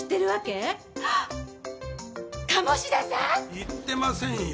言ってませんよ。